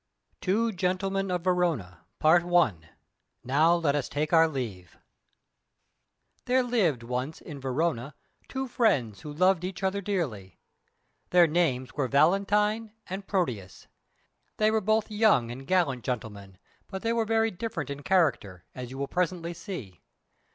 Two Gentlemen of Verona "Now let us take our Leave" There lived once in Verona two friends who loved each other dearly; their names were Valentine and Proteus. They were both young and gallant gentlemen, but they were very different in character, as you will presently see.